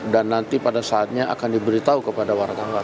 dan nanti pada saatnya akan diberitahu kepada wartawan